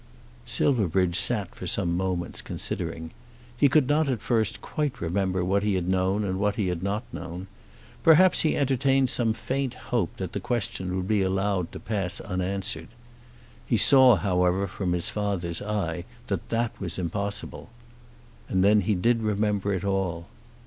Silverbridge sat for some moments considering. He could not at first quite remember what he had known and what he had not known. Perhaps he entertained some faint hope that the question would be allowed to pass unanswered. He saw, however, from his father's eye that that was impossible. And then he did remember it all.